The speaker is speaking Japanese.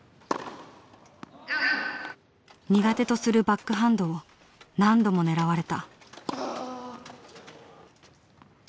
苦手とするバックハンドを何度も狙われた。